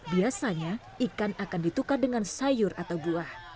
biasanya ikan akan ditukar dengan sayur atau buah